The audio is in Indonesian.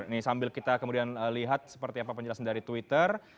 ini sambil kita kemudian lihat seperti apa penjelasan dari twitter